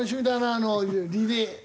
あのリレー。